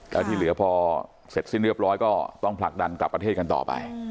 แล้วที่เหลือพอเสร็จสิ้นเรียบร้อยก็ต้องผลักดันกลับประเทศกันต่อไป